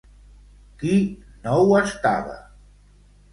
Qui no ho estava?